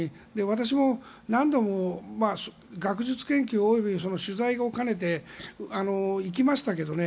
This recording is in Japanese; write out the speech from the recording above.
私も何度も学術研究及び取材を兼ねて行きましたけどね